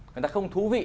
người ta không thú vị